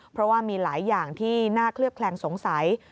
เพราะว่ามีหลายอย่างที่น่าเคลือบแคลงสงสัย